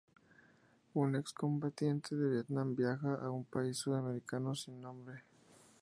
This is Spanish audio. Un excombatiente de Vietnam viaja a un país sudamericano sin nombre.